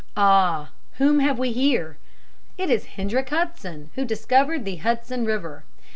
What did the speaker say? Ah! Whom have we here? (See next page.) It is Hendrik Hudson, who discovered the Hudson River.